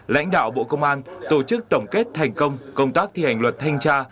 lãnh đạo bộ công an tổ chức tổng kết thành công công tác thi hành luật thanh tra